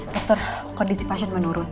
dokter kondisi pasien menurun